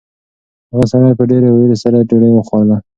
هغه سړي په ډېرې وېرې سره ډوډۍ خوړله.